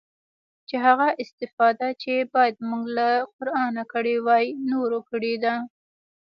چې هغه استفاده چې بايد موږ له قرانه کړې واى نورو کړې ده.